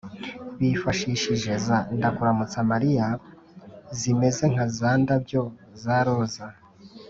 bifashishije za “ndakuramutsa mariya” zimeze nka za ndabyo za roza